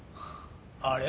あれ？